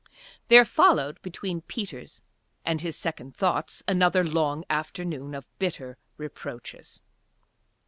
There followed between Peters and his second thoughts another long afternoon of bitter reproaches.